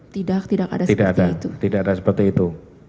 tidak tidak ada seperti itu